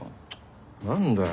何だよ。